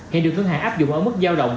hiện được ngân hàng áp dụng ở mức giao động